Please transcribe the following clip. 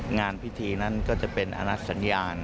งานพิธีนั้นก็จะเป็นอนัดสัญญาณ